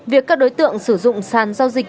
việc các đối tượng sử dụng sàn giao dịch